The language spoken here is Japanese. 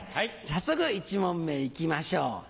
早速１問目行きましょう。